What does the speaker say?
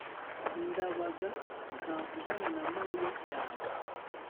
ndabaga ntavugana na mariya cyane